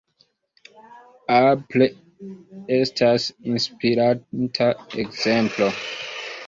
Apple estas inspiranta ekzemplo.